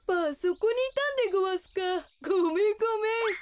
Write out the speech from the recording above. ごめんごめん。